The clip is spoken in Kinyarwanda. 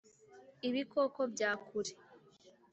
Ibikoko bya kure